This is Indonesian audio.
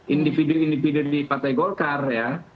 individu individu di partai golkar ya